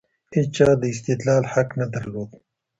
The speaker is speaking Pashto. هيچا د استدلال حق نه درلود.